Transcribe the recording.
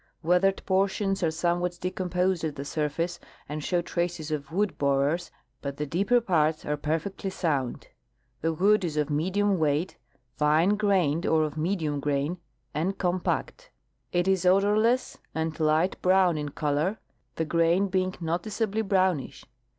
\\"eath ered portions are somewhat decomposed at the surface and show traces of wood borers, Init the deeper parts are perfectly sound. The w^ood is of medium weight, fine grained or of medium grain, and compact. It is odorless and light brown in color, the grain lieing noticeably l)rownish.